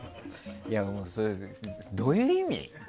それ、どういう意味？